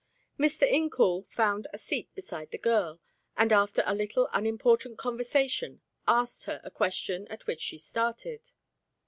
Mr. Incoul found a seat beside the girl, and, after a little unimportant conversation asked her a question at which she started.